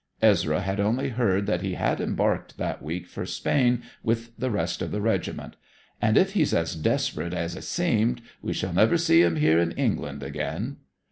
Ezra had only heard that he had embarked that week for Spain with the rest of the regiment. 'And if he's as desperate as 'a seemed, we shall never see him here in England again.'